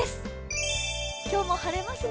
今日も晴れますね。